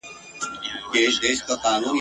چي به یې ته د اسمانو پر لمن ګرځولې !.